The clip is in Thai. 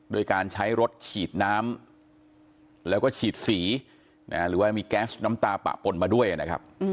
โดยการใช้รถฉีดน้ำแล้วก็ฉีดสีหรือว่ามีแก๊สน้ำตาปะปนมาด้วยนะครับ